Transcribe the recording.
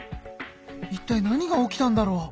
いったい何が起きたんだろう？